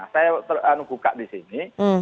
saya buka di sini